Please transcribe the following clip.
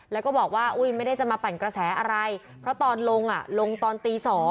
แล้วก็บอกว่าอุ้ยไม่ได้จะมาปั่นกระแสอะไรเพราะตอนลงลงตอนตี๒